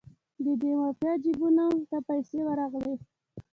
د دې مافیا جیبونو ته پیسې ورغلې.